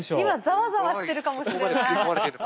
今ザワザワしてるかもしれない。